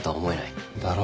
だろ？